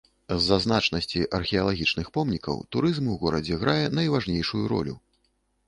З-за значнасці археалагічных помнікаў турызм у горадзе грае найважнейшую ролю.